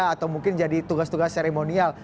atau mungkin jadi tugas tugas seremonial